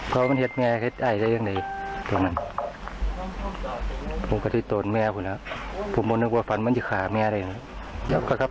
ครับ